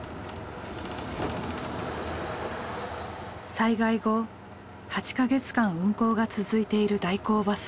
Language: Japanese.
災害後８か月間運行が続いている代行バス。